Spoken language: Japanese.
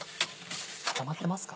固まってますか？